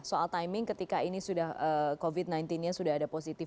soal timing ketika ini sudah covid sembilan belas nya sudah ada positif